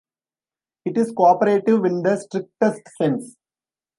It is co-operative in the strictest sense.